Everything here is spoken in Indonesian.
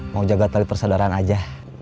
mau jaga tali persaudaraan aja